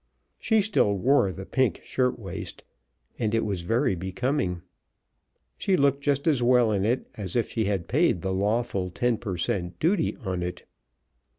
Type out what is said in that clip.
She still wore the pink shirt waist, and it was very becoming. She looked just as well in it as if she had paid the lawful ten per cent. duty on it.